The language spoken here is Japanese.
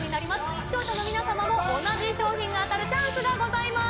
視聴者の皆さんも同じ賞品が当たるチャンスがございます。